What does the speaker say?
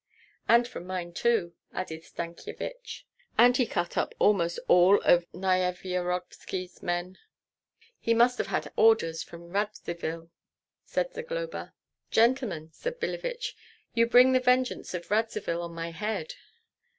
"And from mine too," added Stankyevich; "and he cut up almost all of Nyevyarovski's men." "He must have had orders from Radzivill," said Zagloba. "Gentlemen," said Billevich, "you bring the vengeance of Radzivill on my head."